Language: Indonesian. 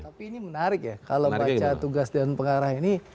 tapi ini menarik ya kalau baca tugas dewan pengarah ini